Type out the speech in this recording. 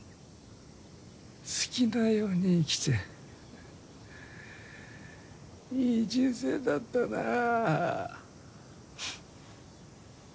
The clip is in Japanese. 好きなように生きていい人生だったなぁ。